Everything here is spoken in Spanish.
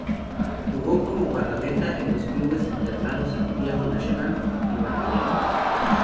Jugó como guardameta en los clubes Internado, Santiago National y Magallanes.